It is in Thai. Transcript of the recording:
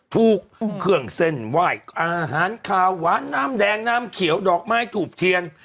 เครื่องเส้นไหว้อาหารขาวหวานน้ำแดงน้ำเขียวดอกไม้ถูกเทียน